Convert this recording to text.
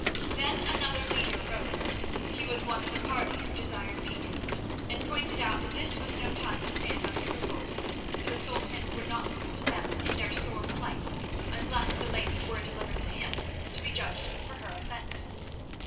Then another leader rose—he was one of the party who desired peace—and pointed out that this was no time to stand on scruples, for the Sultan would not listen to them in their sore plight unless the lady were delivered to him to be judged for her offence.